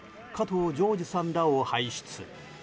加藤条治さんらを輩出。